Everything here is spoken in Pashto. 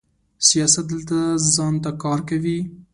سیاست دلته ځان ته کار کوي.